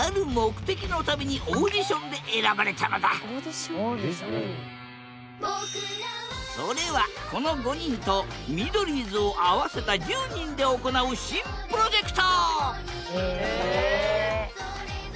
実はそれはこの５人とミドリーズを合わせた１０人で行う新プロジェクト！